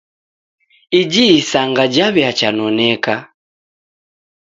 Iji isanga jaw'iachanoneka.